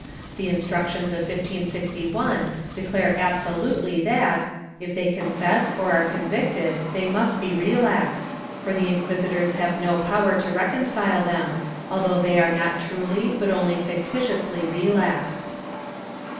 The Instructions of 1561 declare absolutely that, if they confess or are convicted, they must be relaxed, for the inqui sitors have no power to reconcile them, although they are not truly but only fictitiously relapsed.